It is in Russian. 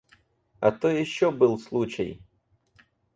А то ещё был случай.